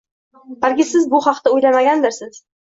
Balki siz bu haqda o‘ylanmagandirsiz